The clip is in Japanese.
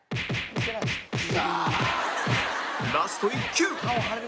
ラスト１球！